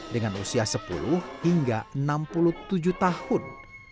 dengan usia sepuluh hingga enam puluh tujuh tahun